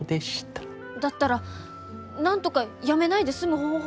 だったらなんとか辞めないで済む方法を。